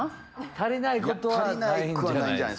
足りないことはない。